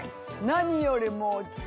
何よりもう。